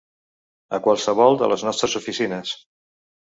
A qualsevol de les nostres oficines.